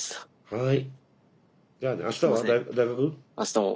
はい。